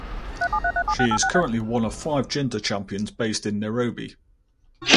She is currently one of five Gender Champions based in Nairobi.